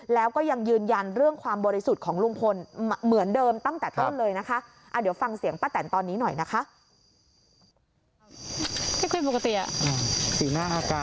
แล้วก็ยังยืนยันเรื่องความบริสุทธิ์ของลุงพลเหมือนเดิมตั้งแต่ต้นเลยนะคะ